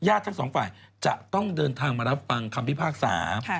ทั้งสองฝ่ายจะต้องเดินทางมารับฟังคำพิพากษา